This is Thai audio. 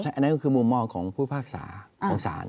อันนั้นก็คือมุมมองของผู้พิพากษาของศาล